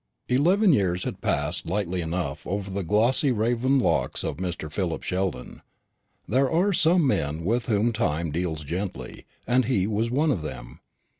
Eleven years had passed lightly enough over the glossy raven locks of Mr. Philip Sheldon. There are some men with whom Time deals gently, and he was one of them.